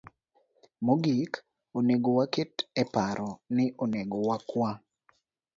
Mogik, onego waket e paro ni onego wakwa